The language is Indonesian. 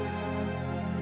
aku akan mencari tuhan